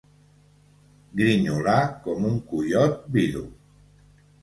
Grinyolar com un coiot vidu.